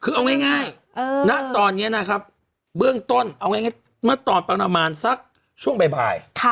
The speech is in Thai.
คือเอาง่ายตอนนี้นะครับเบื้องต้นตอนประมาณสักช่วงบ่าย